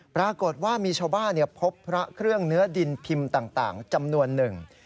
ปรากฏว่ามีชาวบ้านพบพระเครื่องเนื้อดินพิมพ์ต่างจำนวนหนึ่ง